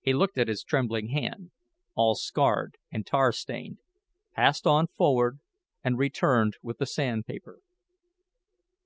He looked at his trembling hand, all scarred and tar stained, passed on forward, and returned with the sandpaper.